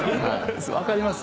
分かります。